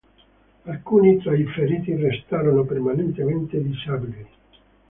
Alcuni tra i feriti restarono permanentemente disabili.